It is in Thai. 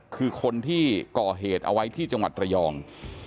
คือคนที่ก่อเหตุเอาไว้ที่จังหวัดระยอง